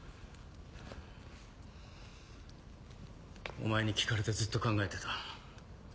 お前に聞かれてずっと考えてた。